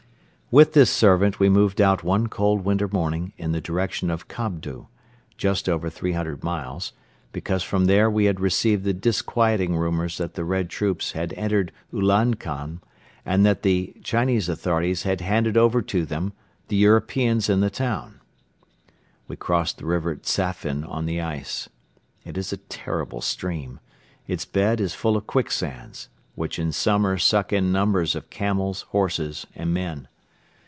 With this servant we moved out one cold winter morning in the direction of Kobdo, just over three hundred miles, because from there we had received the disquieting rumours that the Red troops had entered Ulankom and that the Chinese authorities had handed over to them all the Europeans in the town. We crossed the River Dzaphin on the ice. It is a terrible stream. Its bed is full of quicksands, which in summer suck in numbers of camels, horses and men.